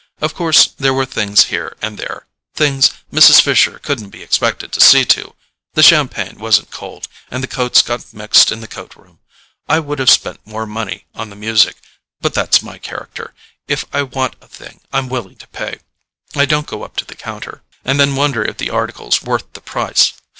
Of course, there were things here and there—things Mrs. Fisher couldn't be expected to see to—the champagne wasn't cold, and the coats got mixed in the coat room. I would have spent more money on the music. But that's my character: if I want a thing I'm willing to pay: I don't go up to the counter, and then wonder if the article's worth the price.